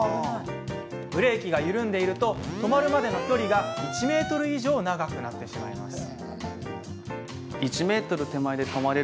ブレーキが緩んでいると止まるまでの距離が１ｍ以上長くなってしまいます。